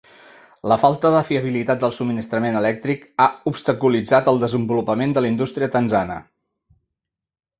La falta de fiabilitat del subministrament elèctric ha obstaculitzat el desenvolupament de la indústria tanzana.